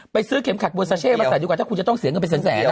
ไปซื้อเข็มขัดโบราชเช่ระมาใส่ดูก่อนถ้าคุณจะต้องเสียเงินไปแสนแสน